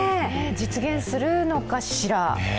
実現するのかしら？